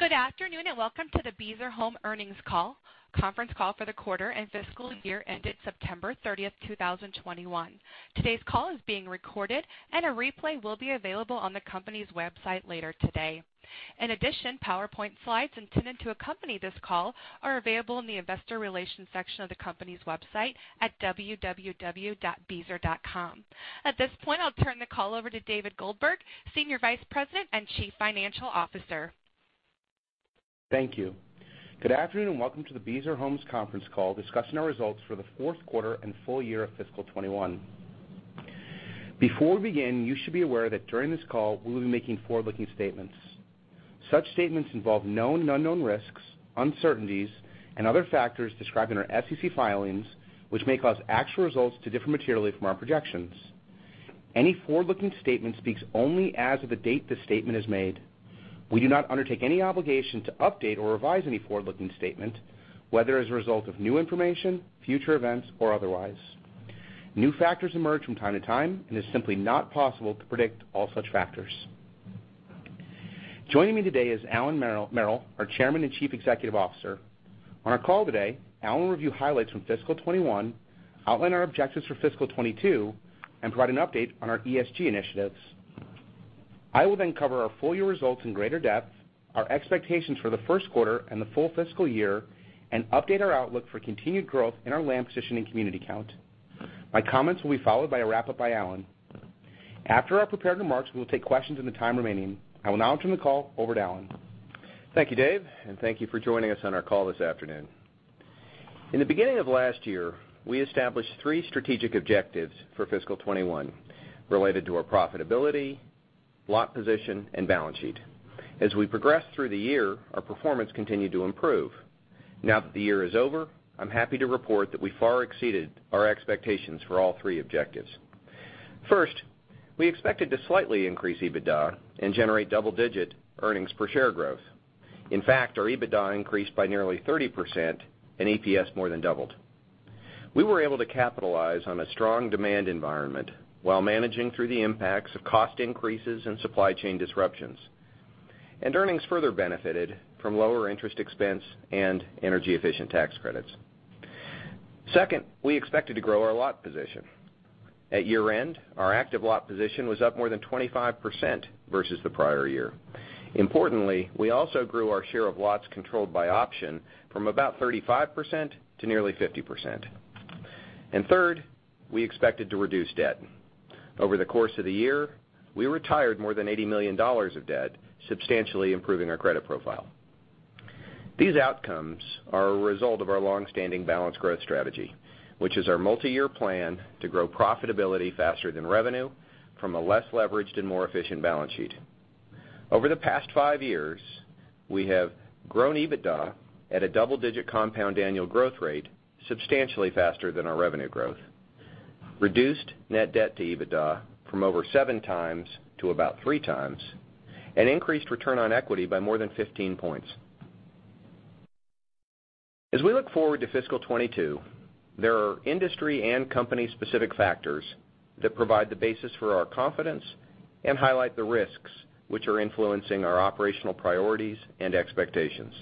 Good afternoon, and welcome to the Beazer Homes Earnings Call, Conference Call for the Quarter and Fiscal Year Ended September 30th, 2021. Today's call is being recorded, and a replay will be available on the company's website later today. In addition, PowerPoint slides intended to accompany this call are available in the Investor Relations section of the company's website at www.beazer.com. At this point, I'll turn the call over to David Goldberg, Senior Vice President and Chief Financial Officer. Thank you. Good afternoon, and welcome to the Beazer Homes conference call discussing our results for the fourth quarter and full year of fiscal 2021. Before we begin, you should be aware that during this call, we will be making forward-looking statements. Such statements involve known and unknown risks, uncertainties, and other factors described in our SEC filings, which may cause actual results to differ materially from our projections. Any forward-looking statement speaks only as of the date the statement is made. We do not undertake any obligation to update or revise any forward-looking statement, whether as a result of new information, future events, or otherwise. New factors emerge from time to time, and it's simply not possible to predict all such factors. Joining me today is Allan Merrill, our Chairman and Chief Executive Officer. On our call today, Allan will review highlights from fiscal 2021, outline our objectives for fiscal 2022, and provide an update on our ESG initiatives. I will then cover our full year results in greater depth, our expectations for the first quarter and the full fiscal year, and update our outlook for continued growth in our land position and community count. My comments will be followed by a wrap-up by Allan. After our prepared remarks, we will take questions in the time remaining. I will now turn the call over to Allan. Thank you, Dave, and thank you for joining us on our call this afternoon. In the beginning of last year, we established three strategic objectives for fiscal 2021 related to our profitability, lot position, and balance sheet. As we progressed through the year, our performance continued to improve. Now that the year is over, I'm happy to report that we far exceeded our expectations for all three objectives. First, we expected to slightly increase EBITDA and generate double-digit earnings per share growth. In fact, our EBITDA increased by nearly 30% and EPS more than doubled. We were able to capitalize on a strong demand environment while managing through the impacts of cost increases and supply chain disruptions, and earnings further benefited from lower interest expense and energy-efficient tax credits. Second, we expected to grow our lot position. At year-end, our active lot position was up more than 25% versus the prior year. Importantly, we also grew our share of lots controlled by option from about 35% to nearly 50%. Third, we expected to reduce debt. Over the course of the year, we retired more than $80 million of debt, substantially improving our credit profile. These outcomes are a result of our longstanding balanced growth strategy, which is our multiyear plan to grow profitability faster than revenue from a less leveraged and more efficient balance sheet. Over the past five years, we have grown EBITDA at a double-digit compound annual growth rate substantially faster than our revenue growth, reduced net debt to EBITDA from over 7x to about 3x, and increased return on equity by more than 15 points. As we look forward to fiscal 2022, there are industry and company specific factors that provide the basis for our confidence and highlight the risks which are influencing our operational priorities and expectations.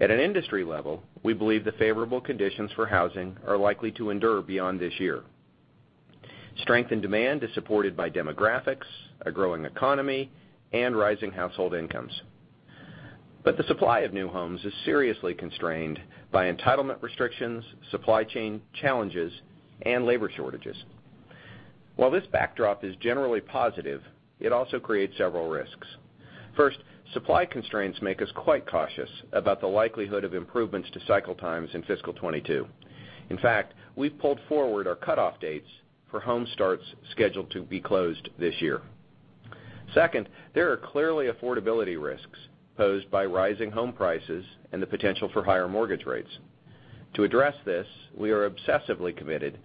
At an industry level, we believe the favorable conditions for housing are likely to endure beyond this year. Strength in demand is supported by demographics, a growing economy, and rising household incomes. The supply of new homes is seriously constrained by entitlement restrictions, supply chain challenges, and labor shortages. While this backdrop is generally positive, it also creates several risks. First, supply constraints make us quite cautious about the likelihood of improvements to cycle times in fiscal 2022. In fact, we've pulled forward our cutoff dates for home starts scheduled to be closed this year. Second, there are clearly affordability risks posed by rising home prices and the potential for higher mortgage rates. To address this, we are obsessively committed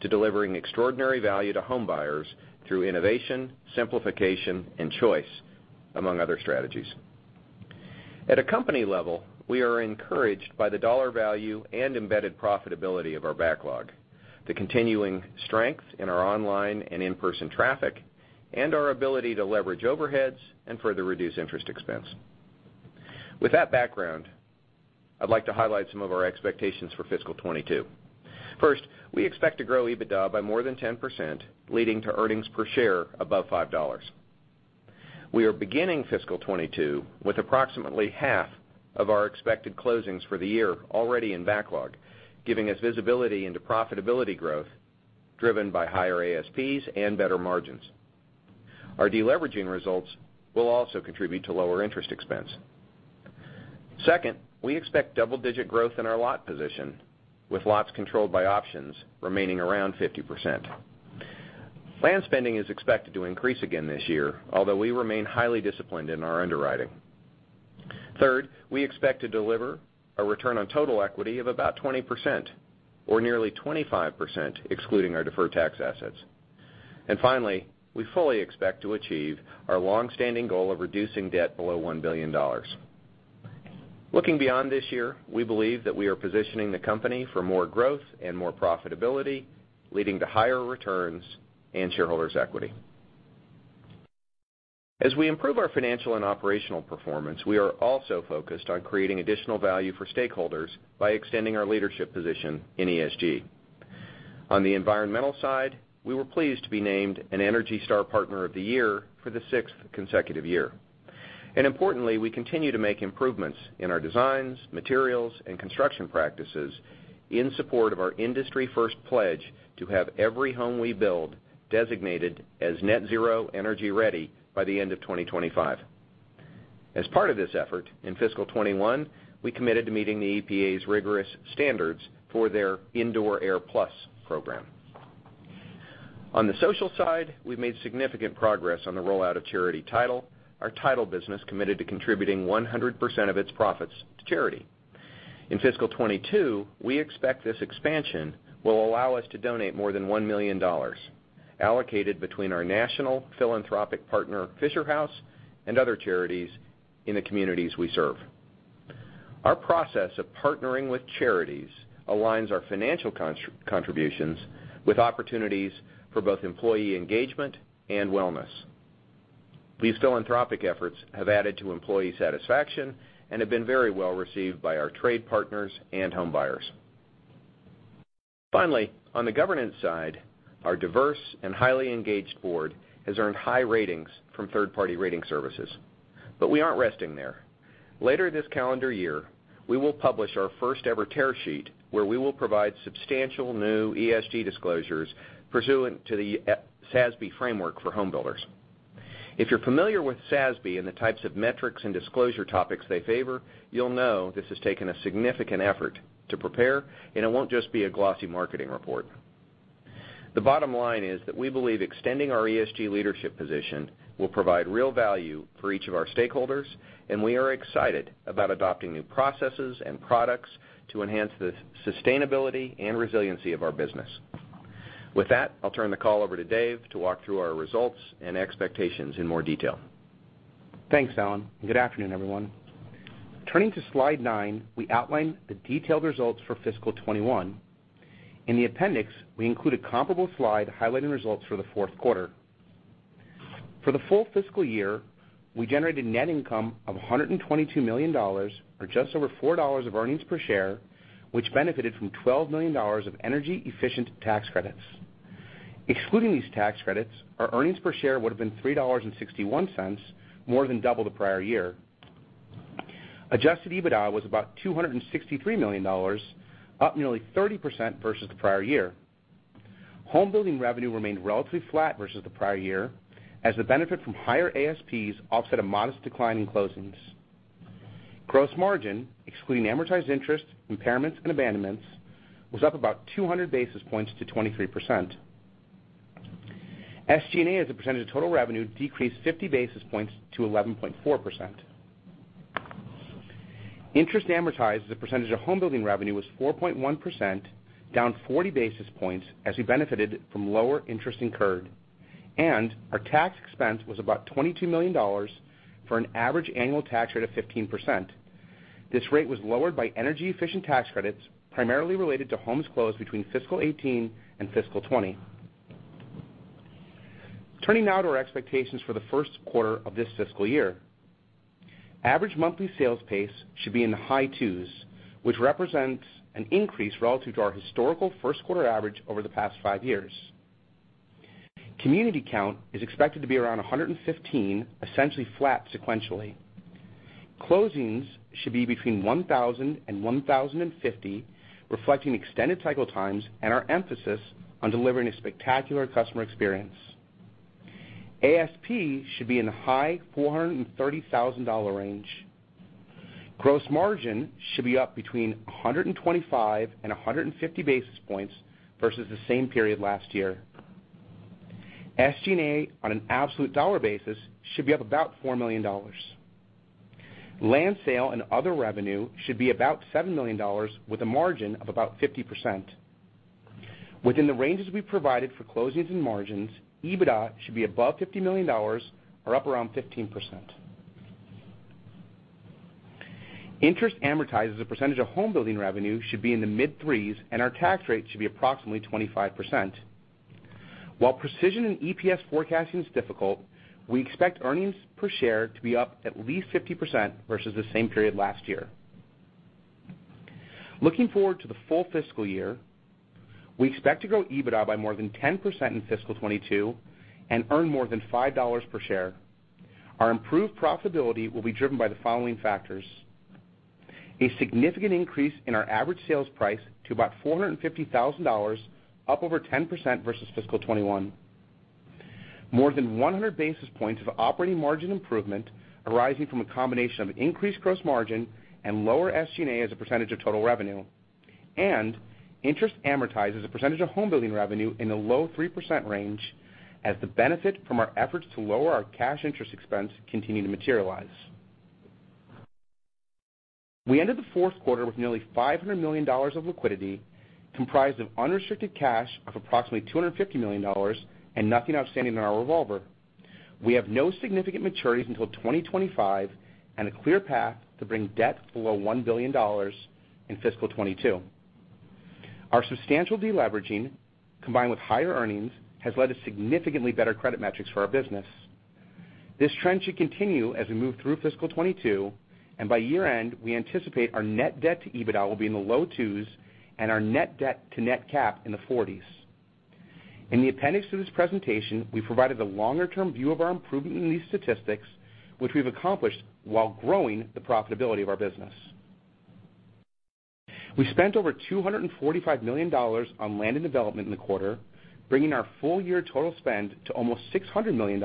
to delivering extraordinary value to homebuyers through innovation, simplification, and choice, among other strategies. At a company level, we are encouraged by the dollar value and embedded profitability of our backlog, the continuing strength in our online and in-person traffic, and our ability to leverage overheads and further reduce interest expense. With that background, I'd like to highlight some of our expectations for fiscal 2022. First, we expect to grow EBITDA by more than 10%, leading to earnings per share above $5. We are beginning fiscal 2022 with approximately half of our expected closings for the year already in backlog, giving us visibility into profitability growth driven by higher ASPs and better margins. Our deleveraging results will also contribute to lower interest expense. Second, we expect double-digit growth in our lot position, with lots controlled by options remaining around 50%. Land spending is expected to increase again this year, although we remain highly disciplined in our underwriting. Third, we expect to deliver a return on total equity of about 20%, or nearly 25% excluding our deferred tax assets. Finally, we fully expect to achieve our long-standing goal of reducing debt below $1 billion. Looking beyond this year, we believe that we are positioning the company for more growth and more profitability, leading to higher returns and shareholders equity. As we improve our financial and operational performance, we are also focused on creating additional value for stakeholders by extending our leadership position in ESG. On the environmental side, we were pleased to be named an ENERGY STAR Partner of the Year for the sixth consecutive year. Importantly, we continue to make improvements in our designs, materials, and construction practices in support of our industry-first pledge to have every home we build designated as Net Zero Energy Ready by the end of 2025. As part of this effort, in fiscal 2021, we committed to meeting the EPA's rigorous standards for their Indoor airPLUS program. On the social side, we've made significant progress on the rollout of Charity Title, our title business committed to contributing 100% of its profits to charity. In fiscal 2022, we expect this expansion will allow us to donate more than $1 million, allocated between our national philanthropic partner, Fisher House, and other charities in the communities we serve. Our process of partnering with charities aligns our financial contributions with opportunities for both employee engagement and wellness. These philanthropic efforts have added to employee satisfaction and have been very well-received by our trade partners and homebuyers. Finally, on the governance side, our diverse and highly engaged board has earned high ratings from third-party rating services. We aren't resting there. Later this calendar year, we will publish our first ever tear sheet where we will provide substantial new ESG disclosures pursuant to the SASB framework for home builders. If you're familiar with SASB and the types of metrics and disclosure topics they favor, you'll know this has taken a significant effort to prepare, and it won't just be a glossy marketing report. The bottom line is that we believe extending our ESG leadership position will provide real value for each of our stakeholders, and we are excited about adopting new processes and products to enhance the sustainability and resiliency of our business. With that, I'll turn the call over to David to walk through our results and expectations in more detail. Thanks, Allan, and good afternoon, everyone. Turning to slide nine, we outlined the detailed results for fiscal 2021. In the appendix, we include a comparable slide highlighting results for the fourth quarter. For the full fiscal year, we generated net income of $122 million or just over $4 of earnings per share, which benefited from $12 million of energy-efficient tax credits. Excluding these tax credits, our earnings per share would have been $3.61, more than double the prior year. Adjusted EBITDA was about $263 million, up nearly 30% versus the prior year. Home building revenue remained relatively flat versus the prior year as the benefit from higher ASPs offset a modest decline in closings. Gross margin, excluding amortized interest, impairments, and abandonments, was up about 200 basis points to 23%. SG&A, as a percentage of total revenue, decreased 50 basis points to 11.4%. Interest amortized as a percentage of home building revenue was 4.1%, down 40 basis points as we benefited from lower interest incurred, and our tax expense was about $22 million for an average annual tax rate of 15%. This rate was lowered by energy-efficient tax credits, primarily related to homes closed between fiscal 2018 and fiscal 2020. Turning now to our expectations for the first quarter of this fiscal year. Average monthly sales pace should be in the high twos, which represents an increase relative to our historical first quarter average over the past five years. Community count is expected to be around 115, essentially flat sequentially. Closings should be between 1,000 and 1,050, reflecting extended cycle times and our emphasis on delivering a spectacular customer experience. ASP should be in the high $430,000 range. Gross margin should be up between 125 and 150 basis points versus the same period last year. SG&A, on an absolute dollar basis, should be up about $4 million. Land sale and other revenue should be about $7 million, with a margin of about 50%. Within the ranges we've provided for closings and margins, EBITDA should be above $50 million or up around 15%. Interest amortized as a percentage of home building revenue should be in the mid threes, and our tax rate should be approximately 25%. While precision in EPS forecasting is difficult, we expect earnings per share to be up at least 50% versus the same period last year. Looking forward to the full fiscal year, we expect to grow EBITDA by more than 10% in fiscal 2022 and earn more than $5 per share. Our improved profitability will be driven by the following factors. A significant increase in our average sales price to about $450,000, up over 10% versus fiscal 2021. More than 100 basis points of operating margin improvement arising from a combination of increased gross margin and lower SG&A as a percentage of total revenue. Interest amortized as a percentage of home building revenue in the low 3% range as the benefit from our efforts to lower our cash interest expense continue to materialize. We ended the fourth quarter with nearly $500 million of liquidity, comprised of unrestricted cash of approximately $250 million and nothing outstanding in our revolver. We have no significant maturities until 2025 and a clear path to bring debt below $1 billion in fiscal 2022. Our substantial de-leveraging, combined with higher earnings, has led to significantly better credit metrics for our business. This trend should continue as we move through fiscal 2022, and by year-end, we anticipate our net debt to EBITDA will be in the low 2s and our net debt to net cap in the 40s. In the appendix to this presentation, we provided the longer-term view of our improvement in these statistics, which we've accomplished while growing the profitability of our business. We spent over $245 million on land and development in the quarter, bringing our full year total spend to almost $600 million,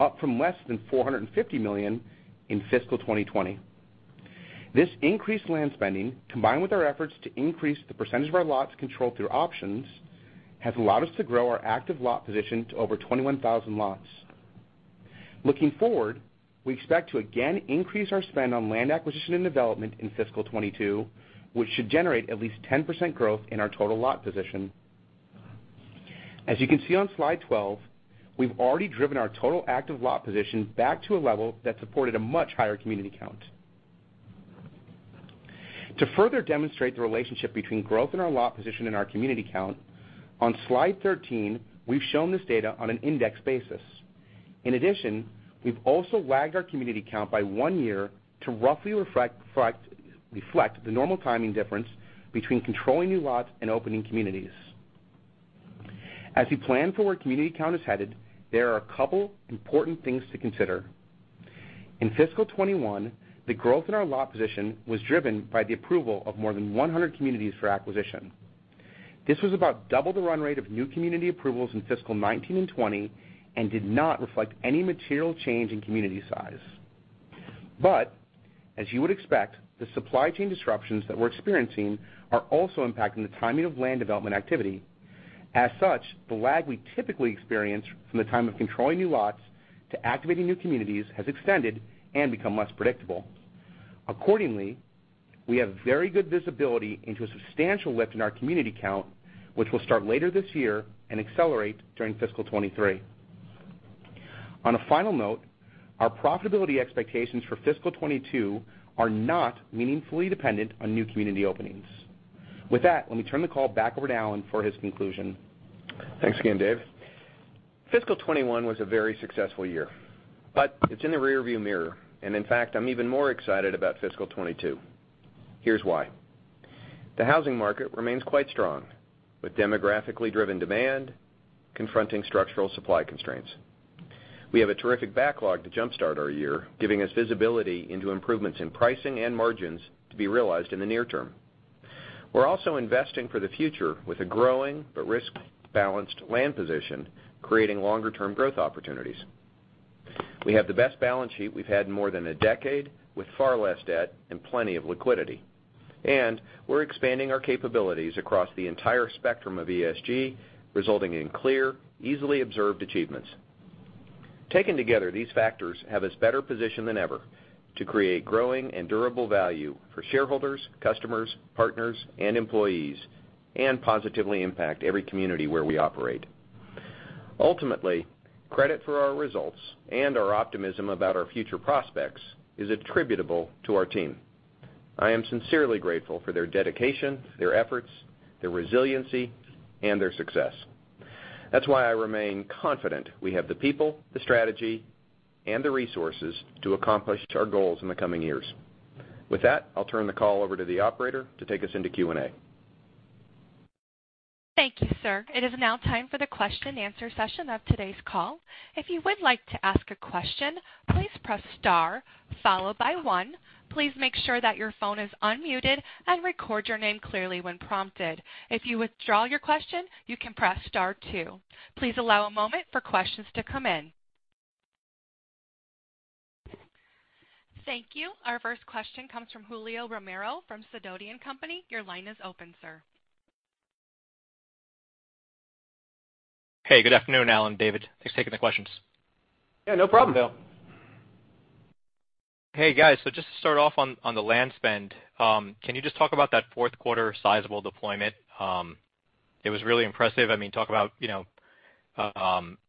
up from less than $450 million in fiscal 2020. This increased land spending, combined with our efforts to increase the percentage of our lots controlled through options, has allowed us to grow our active lot position to over 21,000 lots. Looking forward, we expect to again increase our spend on land acquisition and development in fiscal 2022, which should generate at least 10% growth in our total lot position. As you can see on slide 12, we've already driven our total active lot position back to a level that supported a much higher community count. To further demonstrate the relationship between growth in our lot position and our community count, on slide 13, we've shown this data on an index basis. In addition, we've also lagged our community count by one year to roughly reflect the normal timing difference between controlling new lots and opening communities. As we plan for where community count is headed, there are a couple important things to consider. In fiscal 2021, the growth in our lot position was driven by the approval of more than 100 communities for acquisition. This was about double the run rate of new community approvals in fiscal 2019 and 2020 and did not reflect any material change in community size. As you would expect, the supply chain disruptions that we're experiencing are also impacting the timing of land development activity. As such, the lag we typically experience from the time of controlling new lots to activating new communities has extended and become less predictable. Accordingly, we have very good visibility into a substantial lift in our community count, which will start later this year and accelerate during fiscal 2023. On a final note, our profitability expectations for fiscal 2022 are not meaningfully dependent on new community openings. With that, let me turn the call back over to Allan for his conclusion. Thanks again, Dave. Fiscal 2021 was a very successful year, but it's in the rearview mirror, and in fact, I'm even more excited about fiscal 2022. Here's why. The housing market remains quite strong, with demographically driven demand confronting structural supply constraints. We have a terrific backlog to jumpstart our year, giving us visibility into improvements in pricing and margins to be realized in the near term. We're also investing for the future with a growing but risk-balanced land position, creating longer-term growth opportunities. We have the best balance sheet we've had in more than a decade, with far less debt and plenty of liquidity. We're expanding our capabilities across the entire spectrum of ESG, resulting in clear, easily observed achievements. Taken together, these factors have us better positioned than ever to create growing and durable value for shareholders, customers, partners, and employees, and positively impact every community where we operate. Ultimately, credit for our results and our optimism about our future prospects is attributable to our team. I am sincerely grateful for their dedication, their efforts, their resiliency, and their success. That's why I remain confident we have the people, the strategy, and the resources to accomplish our goals in the coming years. With that, I'll turn the call over to the operator to take us into Q&A. Thank you, sir. It is now time for the question and answer session of today's call. If you would like to ask a question, please press star followed by one. Please make sure that your phone is unmuted and record your name clearly when prompted. If you withdraw your question, you can press star two. Please allow a moment for questions to come in. Thank you. Our first question comes from Julio Romero from Sidoti & Company. Your line is open, sir. Hey, good afternoon, Allan, David. Thanks for taking the questions. Yeah, no problem, Bill. Hey, guys. Just to start off on the land spend, can you just talk about that fourth quarter sizable deployment? It was really impressive. I mean, talk about, you know,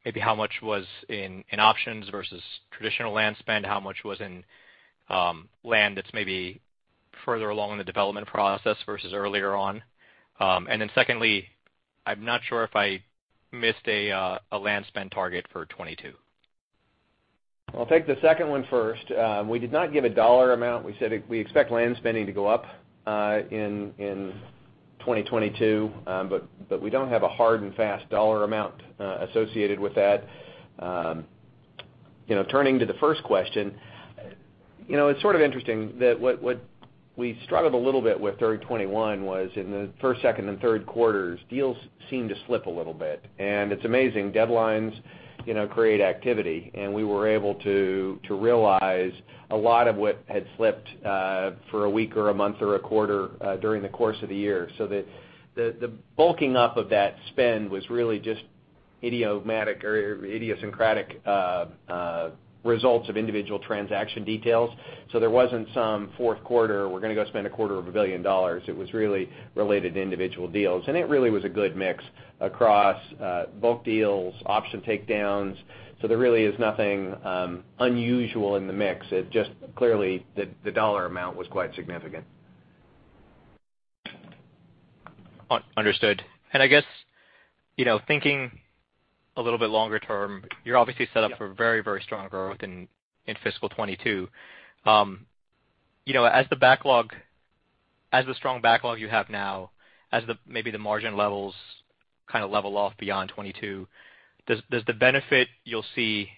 maybe how much was in options versus traditional land spend? How much was in land that's maybe further along in the development process versus earlier on? Secondly, I'm not sure if I missed a land spend target for 2022. I'll take the second one first. We did not give a dollar amount. We said we expect land spending to go up in 2022, but we don't have a hard and fast dollar amount associated with that. You know, turning to the first question, you know, it's sort of interesting that what we struggled a little bit with during 2021 was in the first, second, and third quarters, deals seemed to slip a little bit. It's amazing, deadlines, you know, create activity, and we were able to realize a lot of what had slipped for a week or a month or a quarter during the course of the year. The bulking up of that spend was really just idiosyncratic results of individual transaction details. There wasn't some fourth quarter, we're gonna go spend a quarter of a billion dollars. It was really related to individual deals. It really was a good mix across both deals, option takedowns. There really is nothing unusual in the mix. It just clearly the dollar amount was quite significant. Understood. I guess, you know, thinking a little bit longer term, you're obviously set up- Yeah. For very, very strong growth in fiscal 2022. You know, as the strong backlog you have now, as maybe the margin levels kind of level off beyond 2022, does the benefit you'll see,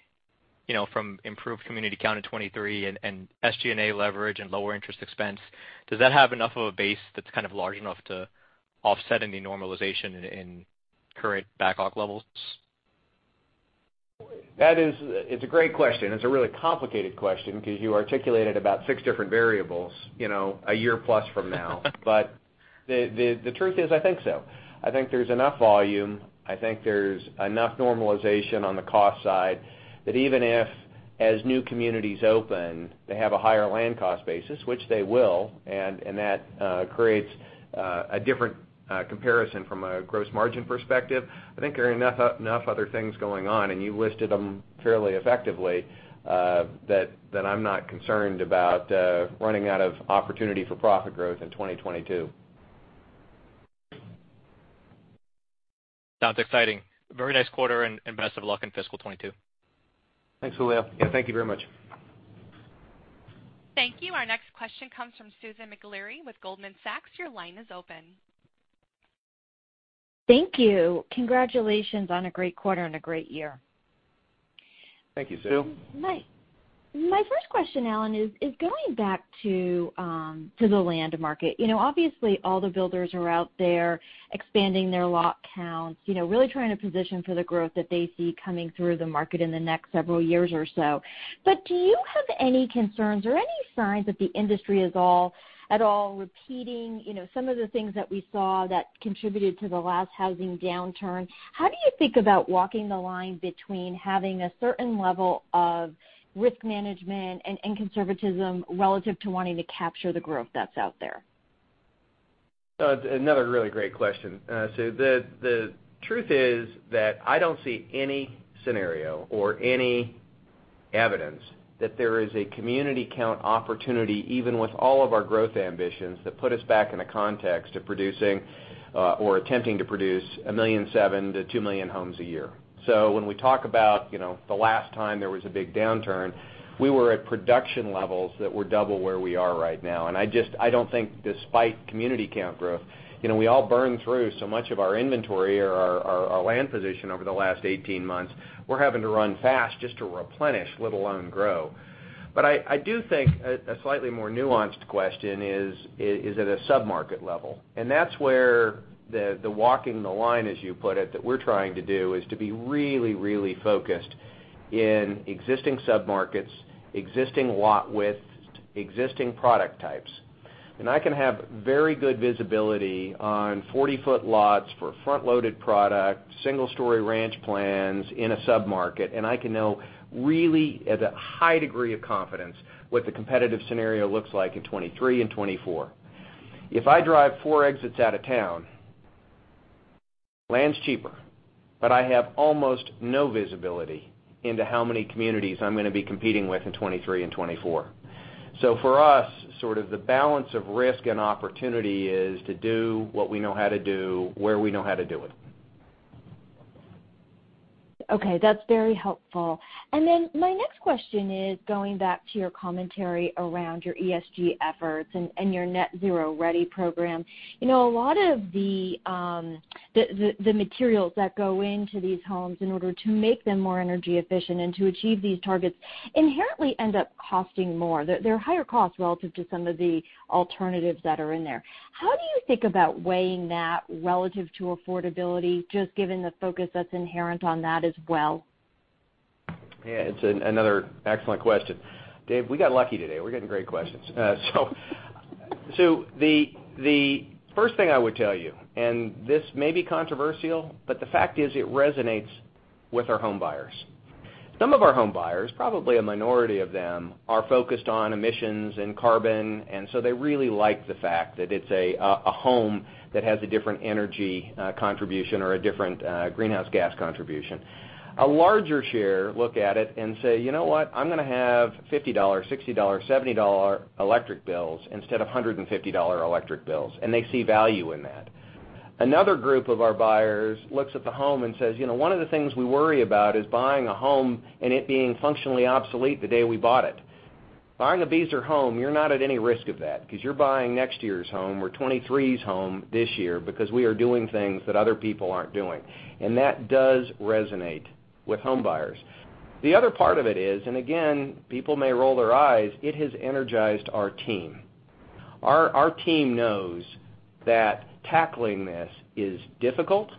you know, from improved community count in 2023 and SG&A leverage and lower interest expense, does that have enough of a base that's kind of large enough to offset any normalization in current backlog levels? It's a great question. It's a really complicated question because you articulated about six different variables, you know, a year plus from now. The truth is, I think so. I think there's enough volume, I think there's enough normalization on the cost side, that even if, as new communities open, they have a higher land cost basis, which they will, and that creates a different comparison from a gross margin perspective. I think there are enough other things going on, and you listed them fairly effectively that I'm not concerned about running out of opportunity for profit growth in 2022. Sounds exciting. Very nice quarter, and best of luck in fiscal 2022. Thanks, Julio. Yeah, thank you very much. Thank you. Our next question comes from Susan Maklari with Goldman Sachs. Your line is open. Thank you. Congratulations on a great quarter and a great year. Thank you, Sue. My first question, Allan, is going back to the land market. You know, obviously, all the builders are out there expanding their lot counts, you know, really trying to position for the growth that they see coming through the market in the next several years or so. Do you have any concerns or any signs that the industry is at all repeating, you know, some of the things that we saw that contributed to the last housing downturn? How do you think about walking the line between having a certain level of risk management and conservatism relative to wanting to capture the growth that's out there? It's another really great question. The truth is that I don't see any scenario or any evidence that there is a community count opportunity, even with all of our growth ambitions, that put us back in a context to producing or attempting to produce 1.7-2 million homes a year. When we talk about, you know, the last time there was a big downturn, we were at production levels that were double where we are right now. I just don't think despite community count growth, you know, we all burned through so much of our inventory or our land position over the last 18 months, we're having to run fast just to replenish, let alone grow. I do think a slightly more nuanced question is at a sub-market level. That's where the walking the line, as you put it, that we're trying to do is to be really, really focused in existing sub-markets, existing lot width, existing product types. I can have very good visibility on 40 ft lots for front-loaded product, single-story ranch plans in a sub-market, and I can know really, at a high degree of confidence, what the competitive scenario looks like in 2023 and 2024. If I drive four exits out of town, land's cheaper, but I have almost no visibility into how many communities I'm gonna be competing with in 2023 and 2024. For us, sort of the balance of risk and opportunity is to do what we know how to do, where we know how to do it. Okay, that's very helpful. My next question is going back to your commentary around your ESG efforts and your NetZero-ready program. You know, a lot of the materials that go into these homes in order to make them more energy efficient and to achieve these targets inherently end up costing more. They're higher cost relative to some of the alternatives that are in there. How do you think about weighing that relative to affordability, just given the focus that's inherent on that as well? Yeah, it's another excellent question. Dave, we got lucky today. We're getting great questions. So the first thing I would tell you, and this may be controversial, but the fact is it resonates with our home buyers. Some of our home buyers, probably a minority of them, are focused on emissions and carbon, and so they really like the fact that it's a home that has a different energy contribution or a different greenhouse gas contribution. A larger share look at it and say, "You know what? I'm gonna have $50, $60, $70 electric bills instead of $150 electric bills," and they see value in that. Another group of our buyers looks at the home and says, "You know, one of the things we worry about is buying a home and it being functionally obsolete the day we bought it." Buying a Beazer home, you're not at any risk of that, 'cause you're buying next year's home or 2023's home this year because we are doing things that other people aren't doing. That does resonate with home buyers. The other part of it is, and again, people may roll their eyes, it has energized our team. Our team knows that tackling this is difficult,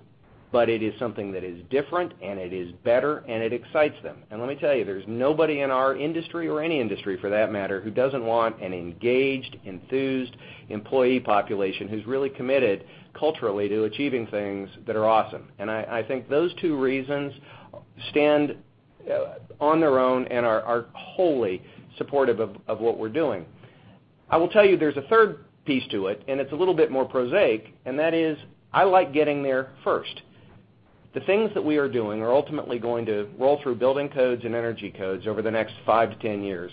but it is something that is different, and it is better, and it excites them. Let me tell you, there's nobody in our industry, or any industry for that matter, who doesn't want an engaged, enthused employee population who's really committed culturally to achieving things that are awesome. I think those two reasons stand on their own and are wholly supportive of what we're doing. I will tell you there's a third piece to it, and it's a little bit more prosaic, and that is, I like getting there first. The things that we are doing are ultimately going to roll through building codes and energy codes over the next five to 10 years.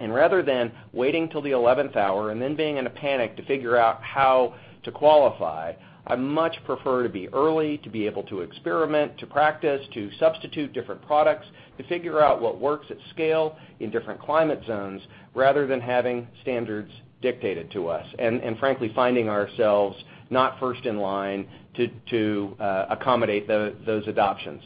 Rather than waiting till the eleventh hour and then being in a panic to figure out how to qualify, I much prefer to be early, to be able to experiment, to practice, to substitute different products, to figure out what works at scale in different climate zones, rather than having standards dictated to us and frankly, finding ourselves not first in line to accommodate those adoptions.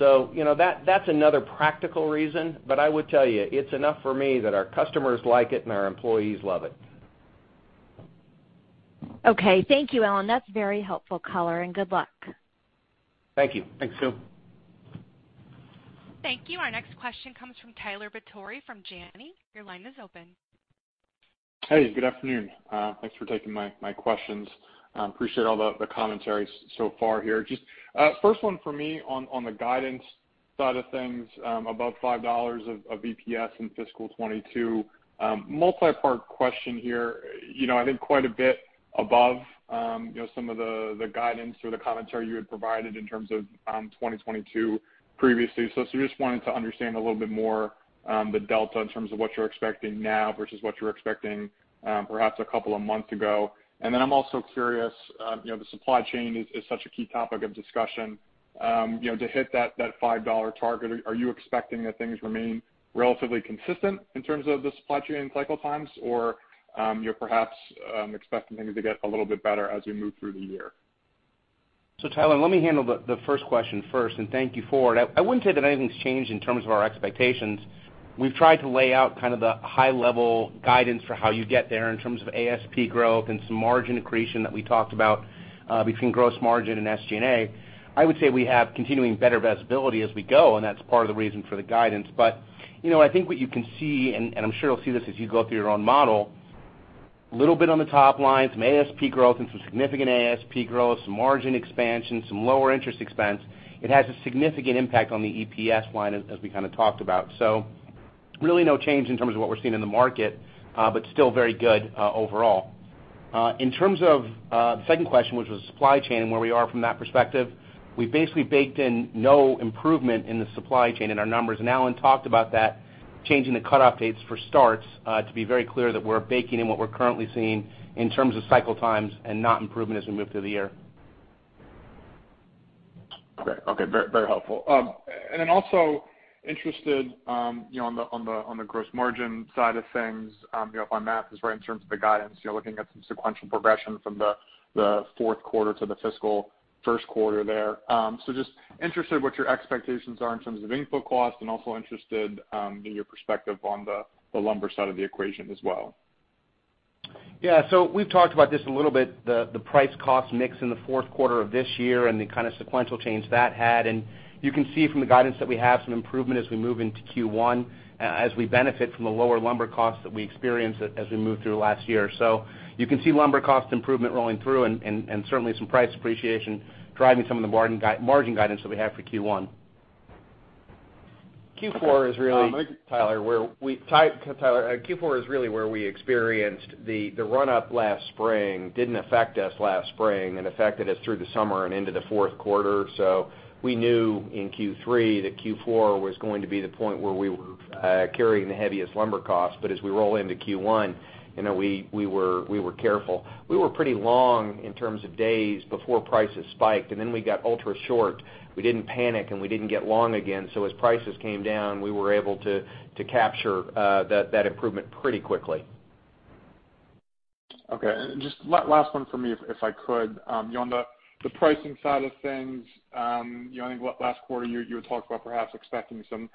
you know, that's another practical reason, but I would tell you, it's enough for me that our customers like it and our employees love it. Okay. Thank you, Allan. That's very helpful color, and good luck. Thank you. Thanks, Sue. Thank you. Our next question comes from Tyler Batory from Janney. Your line is open. Hey, good afternoon. Thanks for taking my questions. Appreciate all the commentaries so far here. Just first one for me on the guidance side of things, above $5 of EPS in fiscal 2022. Multi-part question here. You know, I think quite a bit above, you know, some of the guidance or the commentary you had provided in terms of 2022 previously. Just wanted to understand a little bit more, the delta in terms of what you're expecting now versus what you were expecting, perhaps a couple of months ago. I'm also curious, you know, the supply chain is such a key topic of discussion. You know, to hit that $5 target, are you expecting that things remain relatively consistent in terms of the supply chain and cycle times? Or, you're perhaps expecting things to get a little bit better as we move through the year? Tyler, let me handle the first question first, and thank you for it. I wouldn't say that anything's changed in terms of our expectations. We've tried to lay out kind of the high level guidance for how you get there in terms of ASP growth and some margin accretion that we talked about between gross margin and SG&A. I would say we have continuing better visibility as we go, and that's part of the reason for the guidance. You know, I think what you can see, and I'm sure you'll see this as you go through your own model, little bit on the top line, some ASP growth and some significant ASP growth, some margin expansion, some lower interest expense. It has a significant impact on the EPS line as we kind of talked about. Really no change in terms of what we're seeing in the market, but still very good, overall. In terms of the second question, which was supply chain and where we are from that perspective, we basically baked in no improvement in the supply chain in our numbers. Allan talked about that, changing the cut-off dates for starts, to be very clear that we're baking in what we're currently seeing in terms of cycle times and not improvement as we move through the year. Great. Okay. Very, very helpful. Also interested, you know, on the gross margin side of things, you know, if my math is right in terms of the guidance, you know, looking at some sequential progression from the fourth quarter to the fiscal first quarter there. Just interested what your expectations are in terms of input cost and also interested, in your perspective on the lumber side of the equation as well. Yeah. We've talked about this a little bit, the price-cost mix in the fourth quarter of this year and the kind of sequential change that had. You can see from the guidance that we have some improvement as we move into Q1, as we benefit from the lower lumber costs that we experienced as we moved through last year. You can see lumber cost improvement rolling through and certainly some price appreciation driving some of the margin guidance that we have for Q1. Q4 is really Thank you, Tyler. Tyler, Q4 is really where we experienced the run up last spring didn't affect us last spring and affected us through the summer and into the fourth quarter. We knew in Q3 that Q4 was going to be the point where we were carrying the heaviest lumber costs. As we roll into Q1, you know, we were careful. We were pretty long in terms of days before prices spiked, and then we got ultra short. We didn't panic, and we didn't get long again. As prices came down, we were able to capture that improvement pretty quickly. Okay. Just last one for me if I could. You know, on the pricing side of things, you know, I think last quarter, you had talked about perhaps expecting some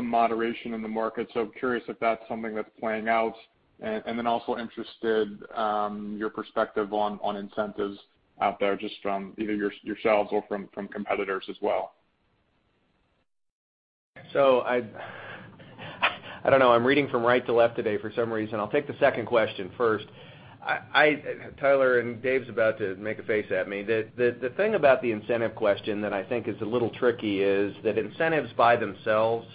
moderation in the market. Curious if that's something that's playing out. Then also interested in your perspective on incentives out there just from either yourselves or from competitors as well. I've, I don't know, I'm reading from right to left today for some reason. I'll take the second question first. Tyler, and Dave's about to make a face at me. The thing about the incentive question that I think is a little tricky is that incentives by themselves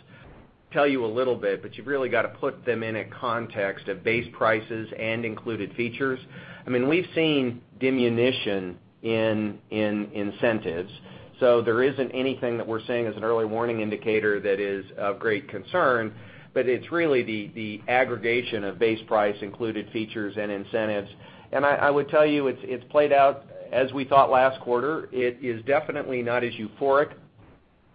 tell you a little bit, but you've really got to put them in a context of base prices and included features. I mean, we've seen diminution in incentives, so there isn't anything that we're seeing as an early warning indicator that is of great concern. But it's really the aggregation of base price, included features and incentives. I would tell you it's played out as we thought last quarter. It is definitely not as euphoric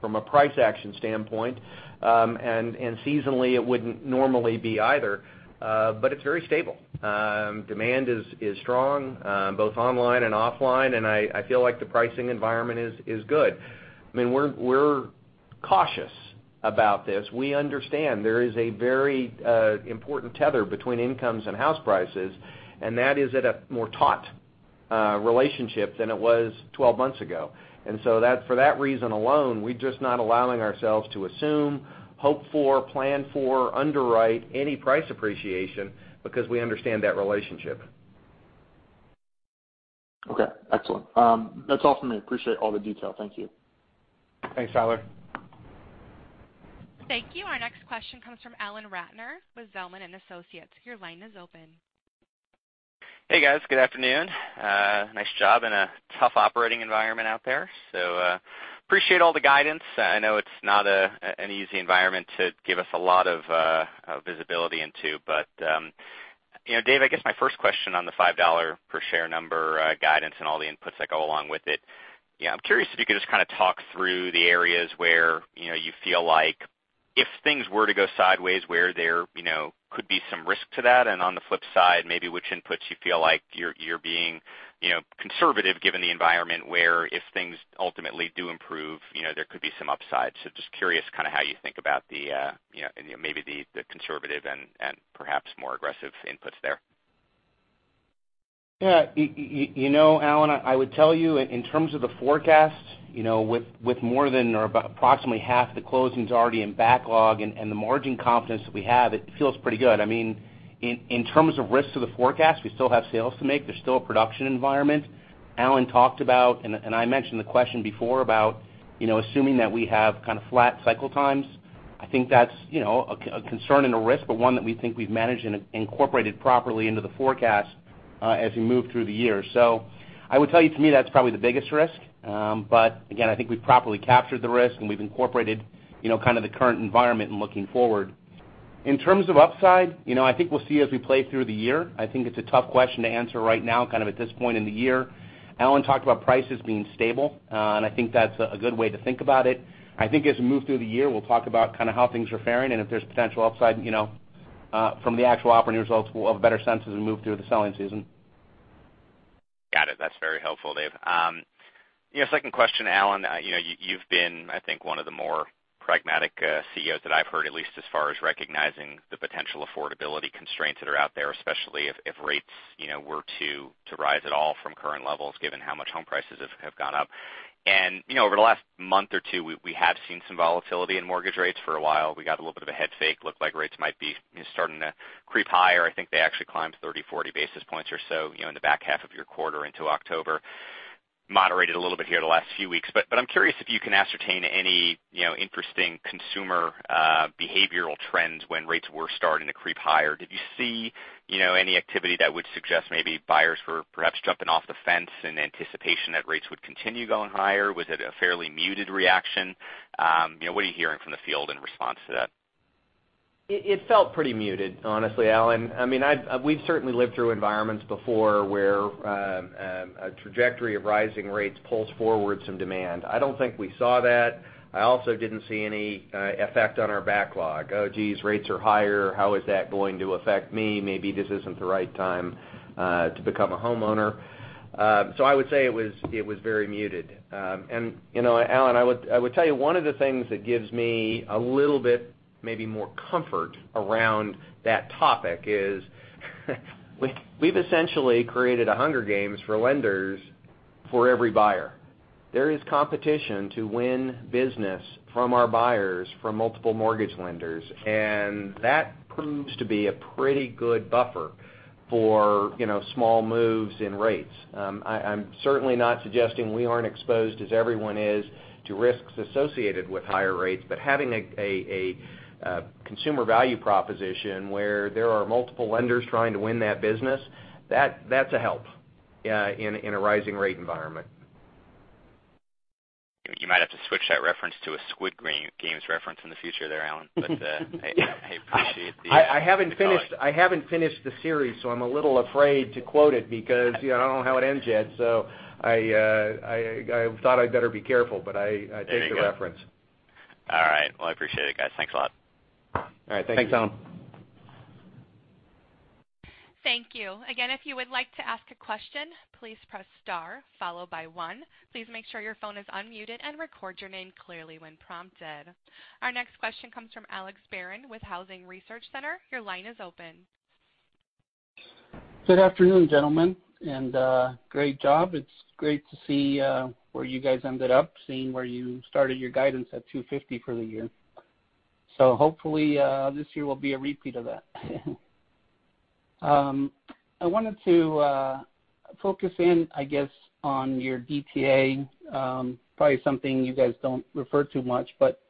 from a price action standpoint, and seasonally, it wouldn't normally be either. It's very stable. Demand is strong both online and offline, and I feel like the pricing environment is good. I mean, we're cautious about this. We understand there is a very important tether between incomes and house prices, and that is at a more taut relationship than it was 12 months ago. For that reason alone, we're just not allowing ourselves to assume, hope for, plan for, underwrite any price appreciation because we understand that relationship. Okay, excellent. That's all for me. I appreciate all the detail. Thank you. Thanks, Tyler. Thank you. Our next question comes from Alan Ratner with Zelman & Associates. Your line is open. Hey, guys. Good afternoon. Nice job in a tough operating environment out there. So, appreciate all the guidance. I know it's not an easy environment to give us a lot of visibility into, but you know, Dave, I guess my first question on the $5 per share number, guidance and all the inputs that go along with it, you know, I'm curious if you could just kinda talk through the areas where you know, you feel like if things were to go sideways where there you know, could be some risk to that, and on the flip side, maybe which inputs you feel like you're being you know, conservative given the environment where if things ultimately do improve, you know, there could be some upside. Just curious kinda how you think about the, you know, and maybe the conservative and perhaps more aggressive inputs there. Yeah. You know, Alan, I would tell you in terms of the forecast, you know, with more than or about approximately half the closings already in backlog and the margin confidence that we have, it feels pretty good. I mean, in terms of risks to the forecast, we still have sales to make. There's still a production environment Allan talked about, and I mentioned the question before about, you know, assuming that we have kind of flat cycle times. I think that's, you know, a concern and a risk, but one that we think we've managed and incorporated properly into the forecast, as we move through the year. I would tell you, to me, that's probably the biggest risk. But again, I think we've properly captured the risk, and we've incorporated, you know, kind of the current environment in looking forward. In terms of upside, you know, I think we'll see as we play through the year. I think it's a tough question to answer right now, kind of at this point in the year. Allan talked about prices being stable, and I think that's a good way to think about it. I think as we move through the year, we'll talk about kind of how things are faring, and if there's potential upside, you know, from the actual operating results, we'll have a better sense as we move through the selling season. Got it. That's very helpful, Dave. You know, second question, Allan. You know, you've been, I think, one of the more pragmatic CEOs that I've heard, at least as far as recognizing the potential affordability constraints that are out there, especially if rates, you know, were to rise at all from current levels, given how much home prices have gone up. You know, over the last month or two, we have seen some volatility in mortgage rates for a while. We got a little bit of a head fake, looked like rates might be starting to creep higher. I think they actually climbed 30, 40 basis points or so, you know, in the back half of your quarter into October. Moderated a little bit here the last few weeks. I'm curious if you can ascertain any, you know, interesting consumer behavioral trends when rates were starting to creep higher. Did you see, you know, any activity that would suggest maybe buyers were perhaps jumping off the fence in anticipation that rates would continue going higher? Was it a fairly muted reaction? You know, what are you hearing from the field in response to that? It felt pretty muted, honestly, Alan. I mean, we've certainly lived through environments before where a trajectory of rising rates pulls forward some demand. I don't think we saw that. I also didn't see any effect on our backlog. Oh, geez, rates are higher. How is that going to affect me? Maybe this isn't the right time to become a homeowner. I would say it was very muted. You know, Alan, I would tell you one of the things that gives me a little bit maybe more comfort around that topic is we've essentially created a Hunger Games for lenders for every buyer. There is competition to win business from our buyers from multiple mortgage lenders, and that proves to be a pretty good buffer for, you know, small moves in rates. I'm certainly not suggesting we aren't exposed as everyone is to risks associated with higher rates, but having a consumer value proposition where there are multiple lenders trying to win that business, that's a help in a rising rate environment. You might have to switch that reference to a Squid Game games reference in the future there, Allan. Hey, I appreciate the- I haven't finished the series, so I'm a little afraid to quote it because, you know, I don't know how it ends yet, so I thought I'd better be careful, but I There you go. I take the reference. All right. Well, I appreciate it, guys. Thanks a lot. All right. Thank you. Thanks, Alan. Thank you. Again, if you would like to ask a question, please press star followed by one. Please make sure your phone is unmuted and record your name clearly when prompted. Our next question comes from Alex Barron with Housing Research Center. Your line is open. Good afternoon, gentlemen, and great job. It's great to see where you guys ended up, seeing where you started your guidance at 250 for the year. Hopefully, this year will be a repeat of that. I wanted to focus in, I guess, on your DTA, probably something you guys don't refer to much, but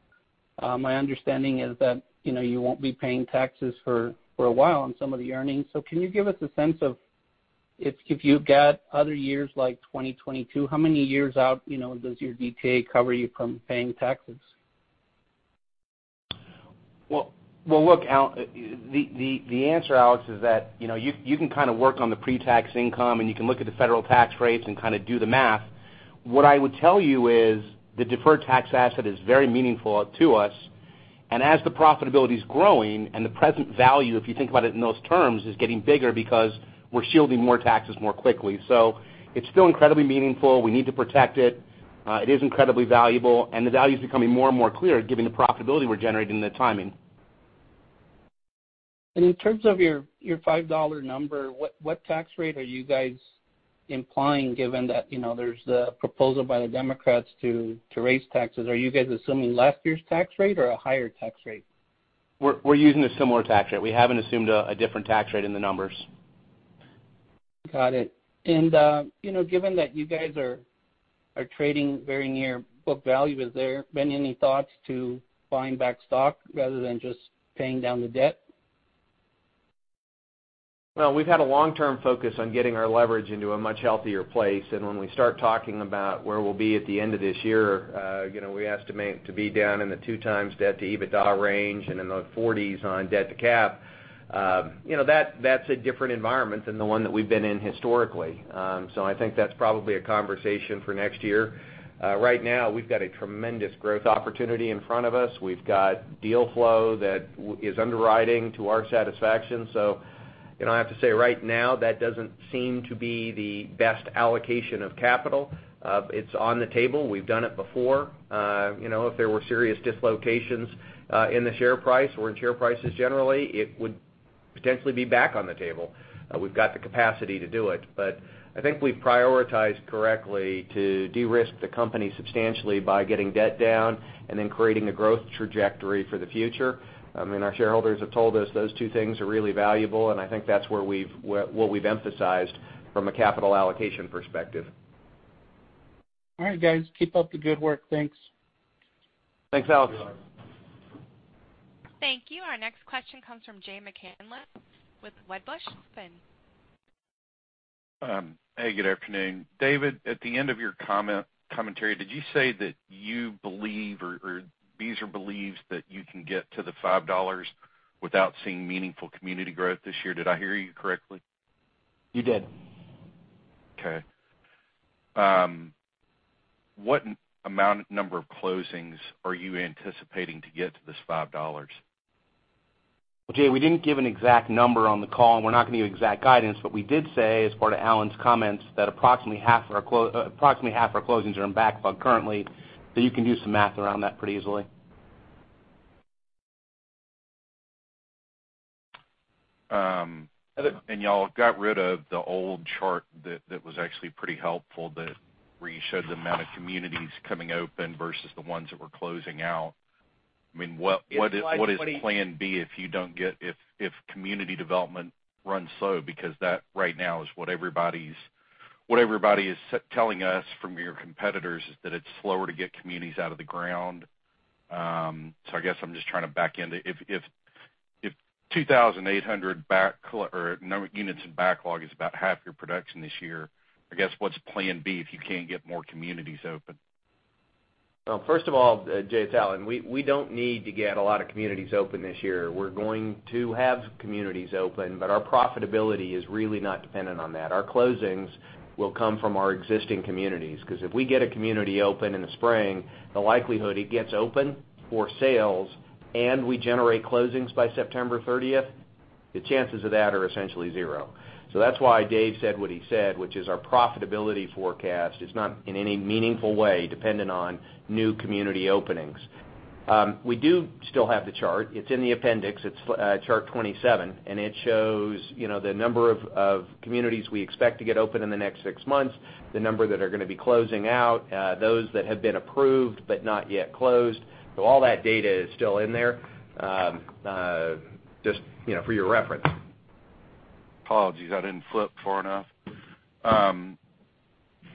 my understanding is that, you know, you won't be paying taxes for a while on some of the earnings. Can you give us a sense of if you've got other years like 2022, how many years out, you know, does your DTA cover you from paying taxes? Well, look, the answer, Alex, is that, you know, you can kind of work on the pre-tax income, and you can look at the federal tax rates and kind of do the math. What I would tell you is the deferred tax asset is very meaningful to us. As the profitability is growing and the present value, if you think about it in those terms, is getting bigger because we're shielding more taxes more quickly. It's still incredibly meaningful. We need to protect it. It is incredibly valuable, and the value is becoming more and more clear given the profitability we're generating and the timing. In terms of your $5 number, what tax rate are you guys implying given that, you know, there's the proposal by the Democrats to raise taxes? Are you guys assuming last year's tax rate or a higher tax rate? We're using a similar tax rate. We haven't assumed a different tax rate in the numbers. Got it. You know, given that you guys are trading very near book value, has there been any thoughts to buying back stock rather than just paying down the debt? Well, we've had a long-term focus on getting our leverage into a much healthier place, and when we start talking about where we'll be at the end of this year, you know, we estimate to be down in the 2x debt to EBITDA range and in the 40s on debt to cap. You know, that's a different environment than the one that we've been in historically. So I think that's probably a conversation for next year. Right now, we've got a tremendous growth opportunity in front of us. We've got deal flow that is underwriting to our satisfaction. So, you know, I have to say, right now, that doesn't seem to be the best allocation of capital. It's on the table. We've done it before. You know, if there were serious dislocations in the share price or in share prices generally, it would potentially be back on the table. We've got the capacity to do it. I think we've prioritized correctly to de-risk the company substantially by getting debt down and then creating a growth trajectory for the future. I mean, our shareholders have told us those two things are really valuable, and I think that's where what we've emphasized from a capital allocation perspective. All right, guys. Keep up the good work. Thanks. Thanks, Alex. Thanks. Thank you. Our next question comes from Jay McCanless with Wedbush. Go ahead. Hey, good afternoon. David, at the end of your commentary, did you say that you believe or Beazer believes that you can get to the $5 without seeing meaningful community growth this year? Did I hear you correctly? You did. What number of closings are you anticipating to get to this $5? Well, Jay, we didn't give an exact number on the call, and we're not gonna give you exact guidance, but we did say, as part of Allan's comments, that approximately half our closings are in backlog currently, so you can do some math around that pretty easily. Y'all got rid of the old chart that was actually pretty helpful, where you showed the amount of communities coming open versus the ones that were closing out. I mean, what is- It's slide 20. What is plan B if community development runs slow? Because that right now is what everybody is telling us from your competitors, is that it's slower to get communities out of the ground. I guess I'm just trying to back into if 2,800 units in backlog is about half your production this year. I guess what's plan B if you can't get more communities open? Well, first of all, Jay, it's Allan. We don't need to get a lot of communities open this year. We're going to have communities open, but our profitability is really not dependent on that. Our closings will come from our existing communities, 'cause if we get a community open in the spring, the likelihood it gets open for sales and we generate closings by September thirtieth, the chances of that are essentially zero. That's why Dave said what he said, which is our profitability forecast is not, in any meaningful way, dependent on new community openings. We do still have the chart. It's in the appendix. It's chart 27, and it shows, you know, the number of communities we expect to get open in the next six months, the number that are gonna be closing out, those that have been approved but not yet closed. All that data is still in there, just, you know, for your reference. Apologies, I didn't flip far enough.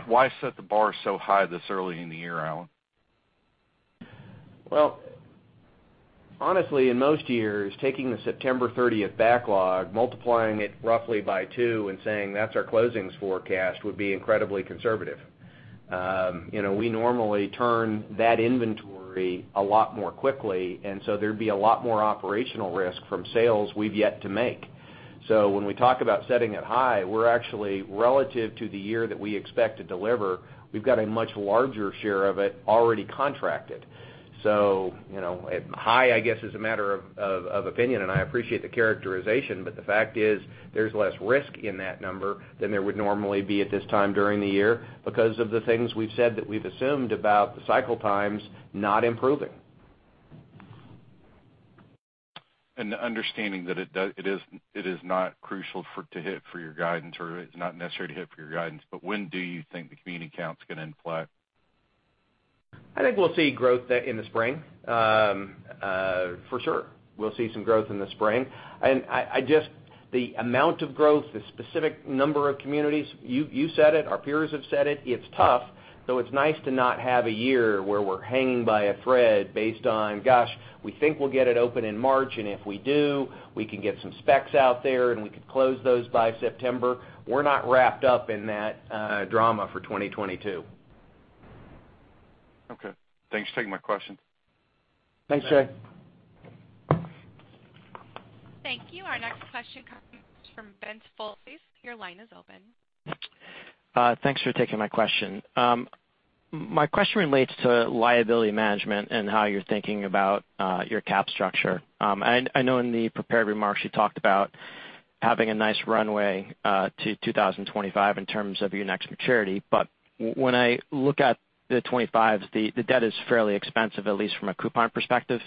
Why set the bar so high this early in the year, Allan? Well, honestly, in most years, taking the September thirtieth backlog, multiplying it roughly by two and saying, "That's our closings forecast," would be incredibly conservative. You know, we normally turn that inventory a lot more quickly, and so there'd be a lot more operational risk from sales we've yet to make. When we talk about setting it high, we're actually, relative to the year that we expect to deliver, we've got a much larger share of it already contracted. You know, high, I guess, is a matter of opinion, and I appreciate the characterization, but the fact is there's less risk in that number than there would normally be at this time during the year because of the things we've said that we've assumed about the cycle times not improving. Understanding that it is not crucial to hit your guidance, or it's not necessary to hit your guidance, but when do you think the community count's gonna inflect? I think we'll see growth in the spring. For sure, we'll see some growth in the spring. I just the amount of growth, the specific number of communities, you said it, our peers have said it's tough, though it's nice to not have a year where we're hanging by a thread based on, gosh, we think we'll get it open in March, and if we do, we can get some specs out there and we could close those by September. We're not wrapped up in that drama for 2022. Okay. Thanks for taking my question. Thanks, Jay. Thank you. Our next question comes from Ben Folse. Your line is open. Thanks for taking my question. My question relates to liability management and how you're thinking about your capital structure. I know in the prepared remarks you talked about having a nice runway to 2025 in terms of your next maturity, but when I look at the 2025s, the debt is fairly expensive, at least from a coupon perspective.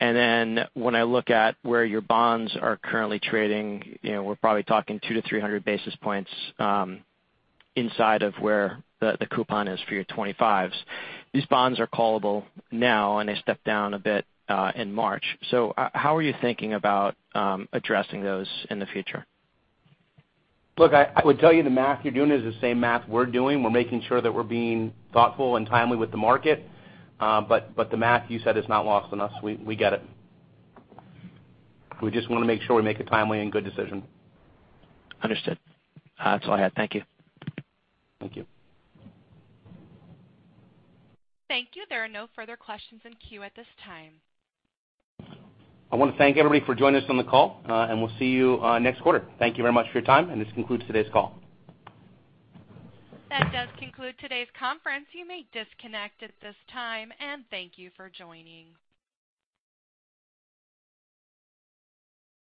Then when I look at where your bonds are currently trading, you know, we're probably talking 200-300 basis points inside of where the coupon is for your 2025s. These bonds are callable now, and they step down a bit in March. How are you thinking about addressing those in the future? Look, I would tell you the math you're doing is the same math we're doing. We're making sure that we're being thoughtful and timely with the market, but the math you said is not lost on us. We get it. We just wanna make sure we make a timely and good decision. Understood. That's all I had. Thank you. Thank you. Thank you. There are no further questions in queue at this time. I wanna thank everybody for joining us on the call, and we'll see you next quarter. Thank you very much for your time, and this concludes today's call. That does conclude today's conference. You may disconnect at this time, and thank you for joining.